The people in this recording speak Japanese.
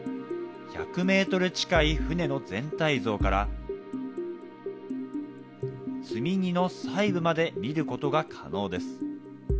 １００メートル近い船の全体像から、積み荷の細部まで見ることが可能です。